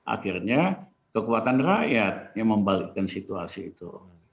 akhirnya kekuatan rakyat yang membalikkan situasi itu